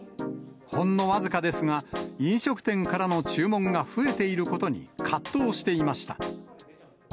ほんの僅かですが、飲食店からの注文が増えていることに、葛藤していました。